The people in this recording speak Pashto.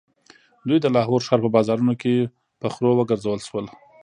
دوی د لاهور ښار په بازارونو کې په خرو وګرځول شول.